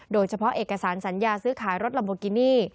โดยเฉพาะเอกสารสัญญาซื้อขายรถลัมโบกินี่